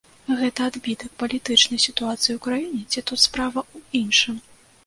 Гэта адбітак палітычнай сітуацыі ў краіне ці тут справа ў іншым?